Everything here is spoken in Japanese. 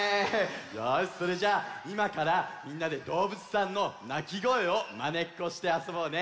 よしそれじゃあいまからみんなでどうぶつさんのなきごえをまねっこしてあそぼうね。